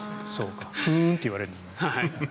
ふーんって言われるんですね。